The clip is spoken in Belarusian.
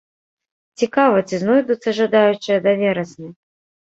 Цікава, ці знойдуцца жадаючыя да верасня?